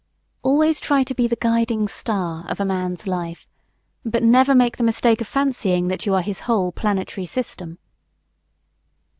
Always try to be the "guiding star" of a man's life, but never make the mistake of fancying that you are his whole planetary system.